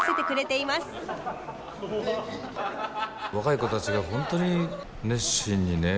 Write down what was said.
若い子たちが本当に熱心にね